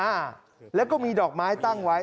อ่าแล้วก็มีดอกไม้ตั้งไว้